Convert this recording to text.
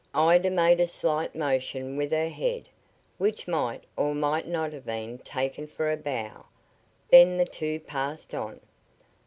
Ida made a slight motion with her head, which might or might not have been taken for a bow. Then the two passed on.